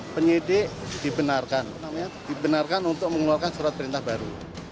penyidik dibenarkan untuk mengeluarkan surat perintah baru